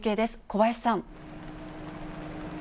小林さん。